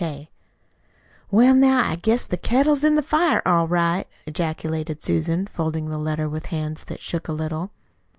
K. "Well, now I guess the kettle is in the fire, all right!" ejaculated Susan, folding the letter with hands that shook a little.